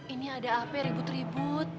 ini ada apa ya ribut ribut